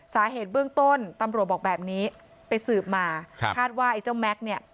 สาเหตุเบื้องต้นตำรวจบอกแบบนี้ไปสืบมาครับคาดว่าไอ้เจ้าแม็กซ์เนี่ย